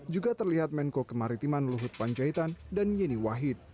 juga terlihat menko kemaritiman luhut panjaitan dan yeni wahid